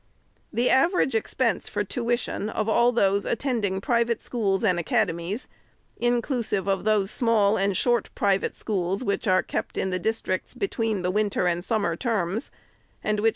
The average expense for tuition of all those attending private schools and academies, inclusive of those small and short private schools which are kept in the districts between the winter and summer terms, and which com FIRST ANNUAL REPORT.